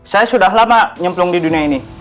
saya sudah lama nyemplung di dunia ini